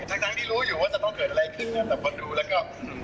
ทั้งที่รู้อยู่ว่าจะต้องเกิดอะไรขึ้นนะแต่พอดูแล้วก็